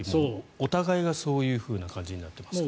お互いがそういう感じになってますね。